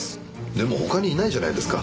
でも他にいないじゃないですか。